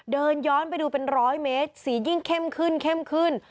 เดินย้อนไปดูเป็นร้อยเมตรสียิ่งเข้มขึ้นเข้มขึ้น